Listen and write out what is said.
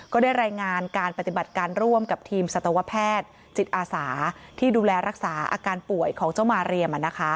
ก็ได้รายงานการปฏิบัติการร่วมกับทีมสัตวแพทย์จิตอาสาที่ดูแลรักษาอาการป่วยของเจ้ามาเรียม